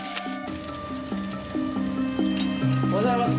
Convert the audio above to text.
おはようございます。